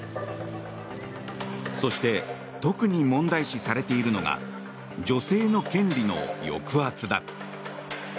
そして特に問題視されているのが女性の権利の抑圧だ。